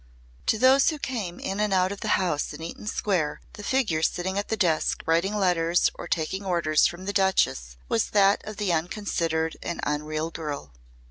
To those who came in and out of the house in Eaton Square the figure sitting at the desk writing letters or taking orders from the Duchess was that of the unconsidered and unreal girl.